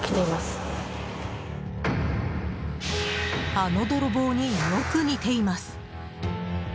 あの泥棒に、よく似ています。